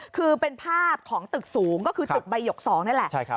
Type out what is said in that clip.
คือเป็นภาพของตึกสูงก็คือตึกใบหยก๒นี่แหละ